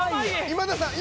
今田さん。